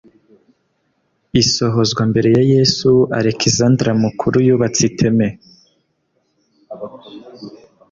Isohozwa Mbere ya Yesu Alekizanderi Mukuru yubatse iteme